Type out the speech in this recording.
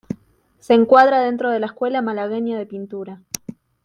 Se encuadra dentro de la Escuela malagueña de pintura.